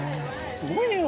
すごいね。